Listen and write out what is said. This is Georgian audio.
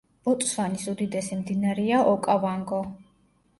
ბოტსვანის უდიდესი მდინარეა ოკავანგო.